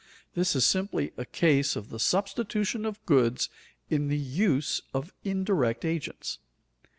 This is simply a case of the substitution of goods in the use of indirect agents.